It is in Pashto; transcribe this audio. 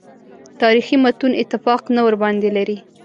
تاریخي متون اتفاق نه ورباندې لري.